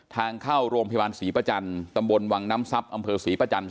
ทางเข้าโรงพยาบาลศรีประจันทร์ตำบลวังน้ำทรัพย์อำเภอศรีประจันท